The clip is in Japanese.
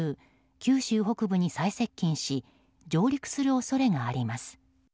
九州北部に最接近し上陸する恐れがあります。